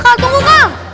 kang tunggu kang